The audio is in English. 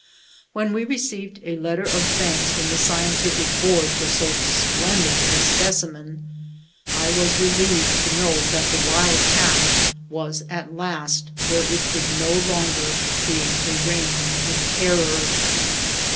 When we received a letter of thanks from the Scientific Board for so splendid a specimen, I was relieved to know that the wild cat was at last where it could no longer create a reign of terror.